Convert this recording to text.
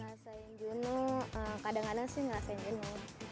ngerasain juno kadang kadang sih ngerasain juno